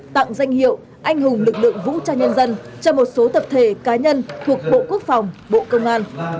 tặng danh hiệu anh hùng lực lượng vũ trang nhân dân cho một số tập thể cá nhân thuộc bộ quốc phòng bộ công an